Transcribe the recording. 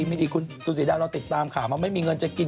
สุศีรีดาเราติดตามข่าวมันไม่มีเงินจะกิน